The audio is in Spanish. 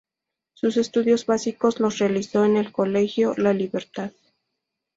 Sus estudios básicos los realizó en el colegio La Libertad.